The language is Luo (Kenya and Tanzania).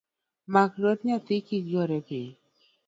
Mak lwet nyathi kik gore piny.